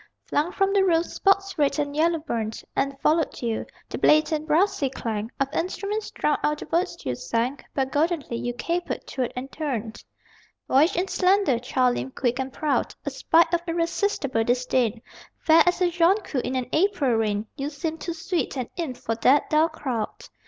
Flung from the roof, spots red and yellow burned And followed you. The blatant brassy clang Of instruments drowned out the words you sang, But goldenly you capered, twirled and turned. Boyish and slender, child limbed, quick and proud, A sprite of irresistible disdain, Fair as a jonquil in an April rain, You seemed too sweet an imp for that dull crowd....